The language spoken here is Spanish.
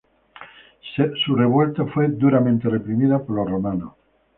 Su revuelta fue duramente reprimida por los romanos.